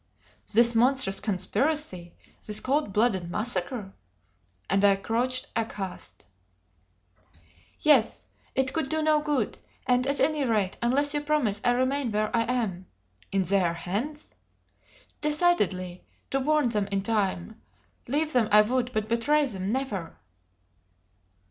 "This monstrous conspiracy? This cold blooded massacre?" And I crouched aghast. "Yes; it could do no good; and, at any rate, unless you promise I remain where I am." "In their hands?" "Decidedly to warn them in time. Leave them I would, but betray them never!"